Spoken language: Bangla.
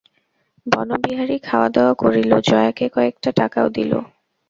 বনবিহারী খাওয়াদাওয়া করিল, জয়াকে কয়েকটা টাকাও দিল।